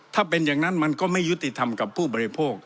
ถ้าเป็นอย่างนั้นมันก็ไม่ยุติธรรมกับผู้บริโภค